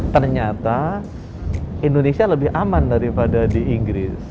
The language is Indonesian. ternyata indonesia lebih aman daripada di inggris